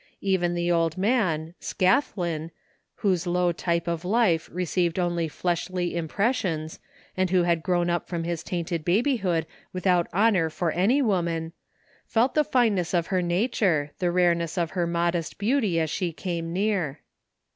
Even the old man, Scathlin, whose low t3rpe of life received only fleshly impressions, and who had grown up from his tainted babyhood without honor for any , woman, felt the fineness of her nature, the rareness of her modest beauty as she came near.